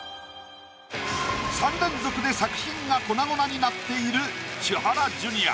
３連続で作品が粉々になっている千原ジュニア。